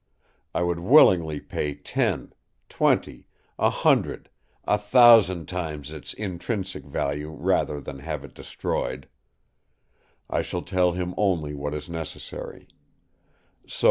I would willingly pay ten, twenty, a hundred, a thousand times its intrinsic value rather than have it destroyed. I shall tell him only what is necessary.